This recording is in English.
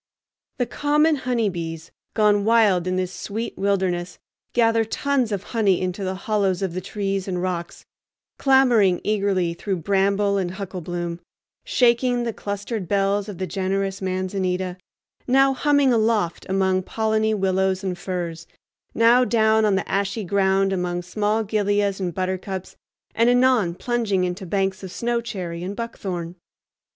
The common honeybees, gone wild in this sweet wilderness, gather tons of honey into the hollows of the trees and rocks, clambering eagerly through bramble and hucklebloom, shaking the clustered bells of the generous manzanita, now humming aloft among polleny willows and firs, now down on the ashy ground among small gilias and buttercups, and anon plunging into banks of snowy cherry and buckthorn.